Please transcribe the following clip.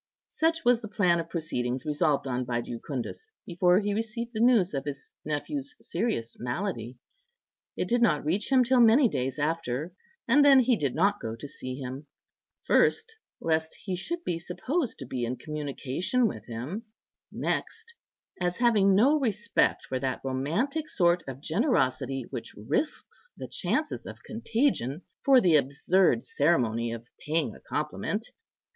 Such was the plan of proceedings resolved on by Jucundus before he received the news of his nephew's serious malady. It did not reach him till many days after; and then he did not go to see him, first, lest he should be supposed to be in communication with him, next, as having no respect for that romantic sort of generosity which risks the chances of contagion for the absurd ceremony of paying a compliment.